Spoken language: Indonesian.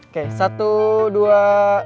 oke satu dua